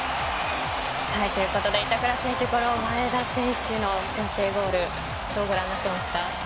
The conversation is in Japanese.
板倉選手、前田選手の先制ゴールどうご覧になってました？